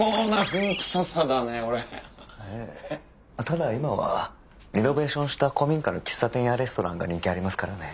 ただ今はリノベーションした古民家の喫茶店やレストランが人気ありますからね。